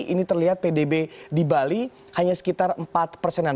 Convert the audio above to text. ini terlihat pdb di bali hanya sekitar empat persenan